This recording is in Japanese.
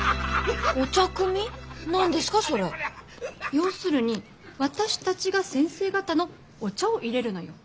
要するに私たちが先生方のお茶をいれるのよ。